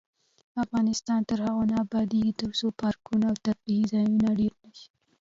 افغانستان تر هغو نه ابادیږي، ترڅو پارکونه او تفریح ځایونه ډیر نشي.